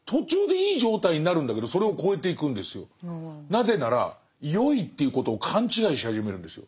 なぜならよいということを勘違いし始めるんですよ。